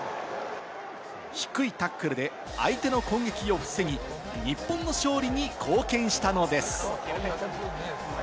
低いタックルで相手の攻撃を防ぎ、日本の勝利に貢献したのです。